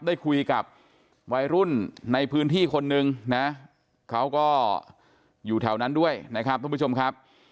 ได้คุยกับวัยรุ่นในพื้นที่คนนึงนะเขาก็อยู่แถวนั้นด้วยนะครับทุกผู้ชมครับ